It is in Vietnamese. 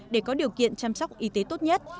để có điều kiện chăm sóc y tế tốt nhất